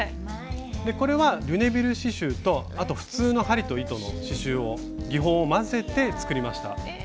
これはリュネビル刺しゅうとあと普通の針と糸の刺しゅうを技法を混ぜて作りました。